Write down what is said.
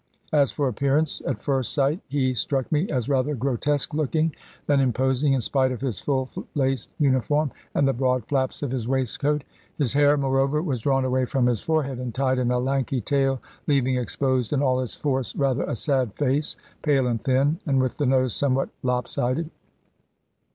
As for appearance, at first sight he struck me as rather grotesque looking than imposing, in spite of his full laced uniform, and the broad flaps of his waistcoat. His hair, moreover, was drawn away from his forehead, and tied in a lanky tail, leaving exposed, in all its force, rather a sad face, pale and thin, and with the nose somewhat lop sided.